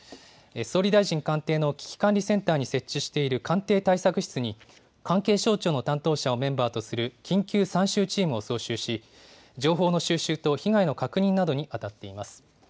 総理大臣官邸の危機管理センターに設置している官邸対策室に、関係省庁の担当者をメンバーとする緊急参集チームを招集し、情報の収集と被害の確認などに当たっています。